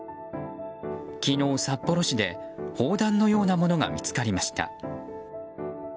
昨日、札幌市で砲弾のようなものが見つかりました。